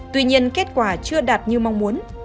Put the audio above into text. tuy nhiên kết quả chưa đạt như mong muốn